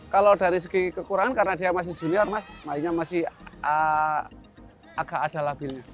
kalau dari segi kekurangan karena dia masih junior mas mainnya masih agak ada labilnya